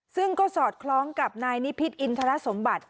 ซึ่งก็สอดคล้องกับนายนิพิษอินทรสมบัติ